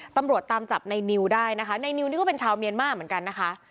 ตำรวจตามจับในนิวได้นะคะในนิวนี่ก็เป็นชาวเมียนมาร์เหมือนกันนะคะ